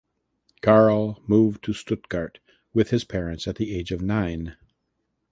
Karl moved to Stuttgart with his parents at the age of nine.